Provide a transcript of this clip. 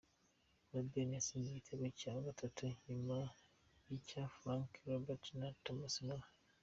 Robben yatsinze igitego cya gatatu, nyuma y’icya Frank Ribery na Thomas Muller.